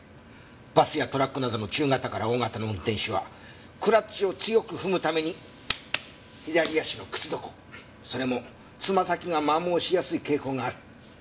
バスやトラックなどの中型から大型の運転手はクラッチを強く踏むために左足の靴底それもつま先が磨耗しやすい傾向がある。